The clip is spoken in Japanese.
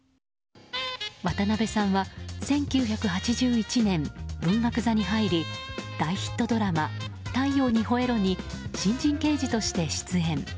渡辺さんは１９８１年文学座に入り大ヒットドラマ「太陽にほえろ！」に新人刑事として出演。